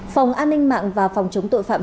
phòng an ninh mạng và phòng chống tội phạm